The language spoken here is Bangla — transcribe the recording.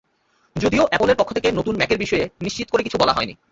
যদিও অ্যাপলের পক্ষ থেকে নতুন ম্যাকের বিষয়ে নিশ্চিত করে কিছু বলা হয়নি।